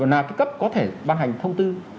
nào cái cấp có thể ban hành thông tư